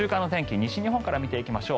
西日本から見ていきましょう。